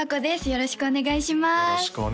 よろしくお願いします